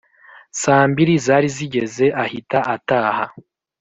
Saa mbiri zari zigeze ahita ataha